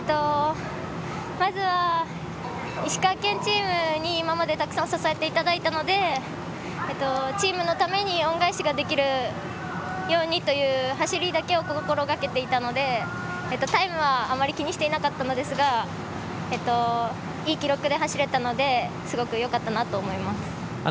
まずは、石川県チームに今まで、たくさん支えていただいたのでチームのために恩返しができるようにという走りだけを心がけていたのでタイムは、あまり気にしていなかったのですがいい記録で走れたのですごくよかったなと思います。